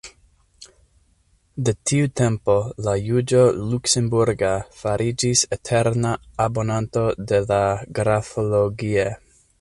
De tiu tempo la juĝo Luksemburga fariĝis eterna abonanto de la « Graphologie ».